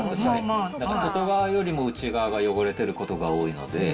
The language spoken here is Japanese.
だから外側よりも内側が汚れてることが多いので。